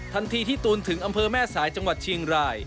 ทันทีที่ตูนถึงอำเภอแม่สายจังหวัดเชียงราย